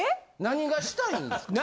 何がしたいんですか？